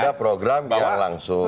ada program yang langsung